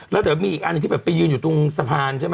แล้วเดี๋ยวมีอีกอันหนึ่งที่แบบไปยืนอยู่ตรงสะพานใช่ไหม